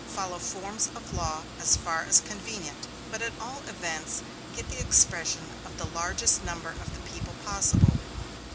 Follow forms of law as far as convenient, but at all events get the expression of the largest number of the people possible.